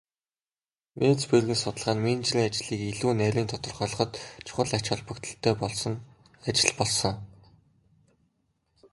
Менцбергийн судалгаа нь менежерийн ажлыг илүү нарийн тодорхойлоход чухал ач холбогдолтой ажил болсон.